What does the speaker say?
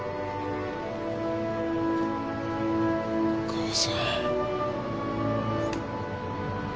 母さん。